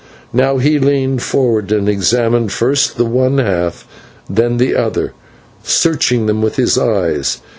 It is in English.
Now he leaned forward, and examined first the one half and then the other, searching them both with his eyes.